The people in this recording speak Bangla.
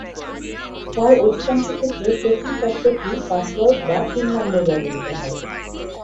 প্রায় অধিকাংশ ক্ষেত্রে প্রথম ফ্যাক্টরটি পাসওয়ার্ড বা পিন নম্বর ব্যবহৃত হয়।